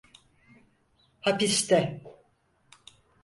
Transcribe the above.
Hapiste.